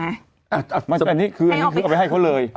อันนี้คืออันนี้คือเอาไปให้เขาเลย